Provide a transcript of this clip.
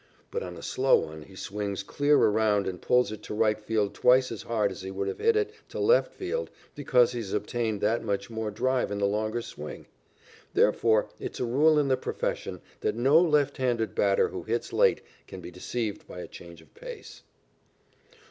But on a slow one he swings clear around and pulls it to right field twice as hard as he would have hit it to left field because he has obtained that much more drive in the longer swing. Therefore, it is a rule in the profession that no left handed batter who hits late can be deceived by a change of pace.